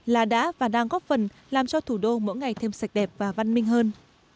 là đã và đang góp phần làm cho thủ đô mỗi ngày thêm sạch đẹp và văn minh hơn